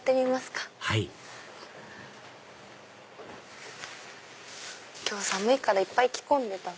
はい今日寒いからいっぱい着込んでた！